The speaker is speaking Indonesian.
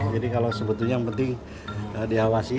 jadi kalau sebetulnya yang penting dihawasi